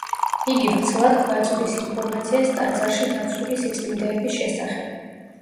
იგი ვრცლად გვაწვდის ინფორმაციას ტაძარში დაცული სიწმინდეების შესახებ.